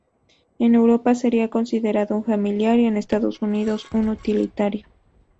En Europa sería considerado un familiar y en Estados Unidos un utilitario.